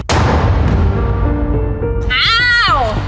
อ้าว